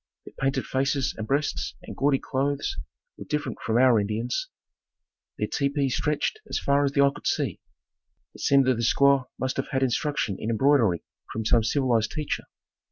Their painted faces and breasts and gaudy clothes were different from our Indians. Their tepees stretched as far as the eye could see. It seemed that the squaws must have had instruction in embroidery from some civilized teacher.